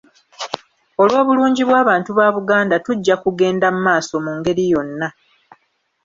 Olw'obulungi bw'abantu ba Buganda tujja kugenda maaso mu ngeri yonna.